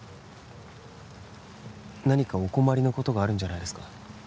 何かお困りのことがあるんじゃないですか？